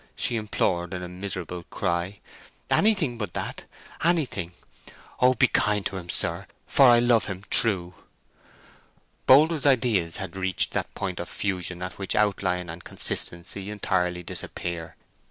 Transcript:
she implored in a miserable cry. "Anything but that—anything. Oh, be kind to him, sir, for I love him true!" Boldwood's ideas had reached that point of fusion at which outline and consistency entirely disappear.